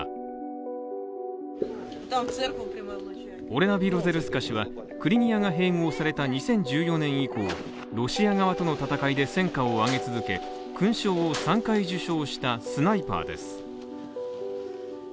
オレナ・ビロゼルスカ氏はクリミアが併合された２０１４年以降、ロシア側との戦いで戦果をあげ続け勲章を３回受章したスナイパーです。